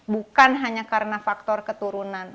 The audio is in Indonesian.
bukan hanya karena faktor keturunan